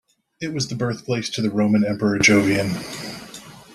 It was the birthplace to the Roman Emperor Jovian.